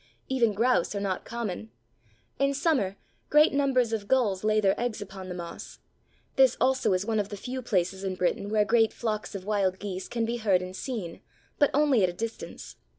Even grouse are not common. In summer great numbers of gulls lay their eggs upon the moss. This also is one of the few places in Britain where great flocks of wild geese can be heard and seen, but only at a distance.